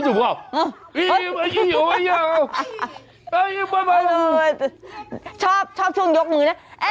ชอบชอบโชคยกมือนะ